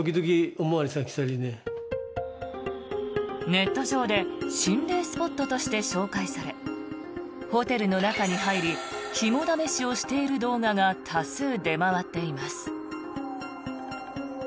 ネット上で心霊スポットとして紹介されホテルの中に入り肝試しをしている動画が多数出回っています。